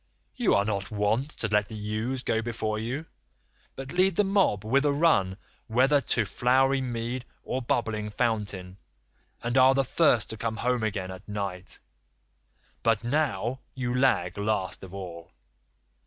You are not wont to let the ewes go before you, but lead the mob with a run whether to flowery mead or bubbling fountain, and are the first to come home again at night; but now you lag last of all.